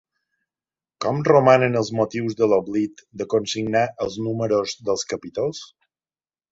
Com romanen els motius de l'oblit de consignar els números dels capítols?